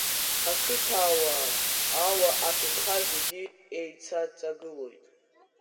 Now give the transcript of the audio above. Ақыҭауаа, ауа-аҭынха, зегьы иеицаҵагылоит.